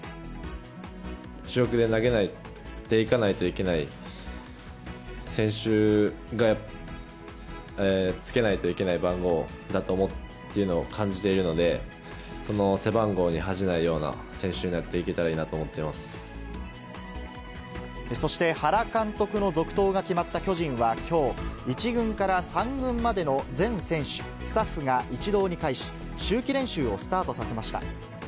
主力で投げていかないといけない選手がつけないといけない番号だというのを感じているので、その背番号に恥じないような選手になっていけたらいいなと思ってそして、原監督の続投が決まった巨人はきょう、１軍から３軍までの全選手、スタッフが一堂に会し、秋季練習をスタートさせました。